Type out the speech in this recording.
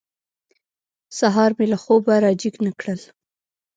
سهار مې له خوبه را جېګ نه کړل.